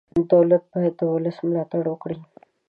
دولت باید د ولس ملاتړ وکړي.